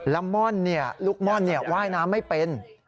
และลูกม่อนไว้น้ำไม่เป็น